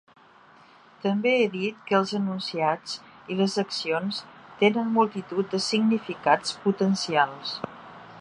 També he dit que els enunciats i les accions tenen multitud de significats potencials.